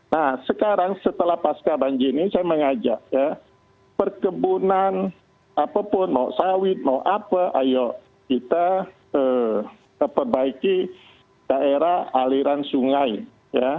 nah sekarang setelah pasca banjir ini saya mengajak ya perkebunan apapun mau sawit mau apa ayo kita perbaiki daerah aliran sungai ya